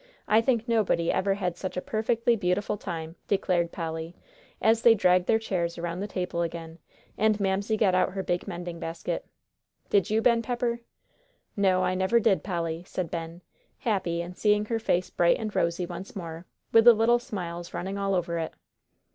I think nobody ever had such a perfectly beautiful time," declared Polly, as they dragged their chairs around the table again, and Mamsie got out her big mending basket, "did you, Ben Pepper?" "No, I never did, Polly," said Ben, happy in seeing her face bright and rosy once more, with the little smiles running all over it.